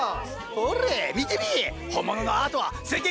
ほれ見てみい！